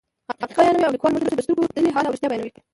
حقیقت بیانوي او لیکوال موږ ته د سترګو لیدلی حال او رښتیا بیانوي.